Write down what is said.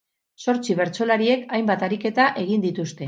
Zortzi bertsolariek hainbat ariketa egin dituzte.